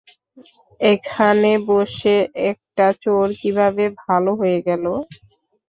এখানে এসে একটা চোর কিভাবে ভালো হয়ে গেল?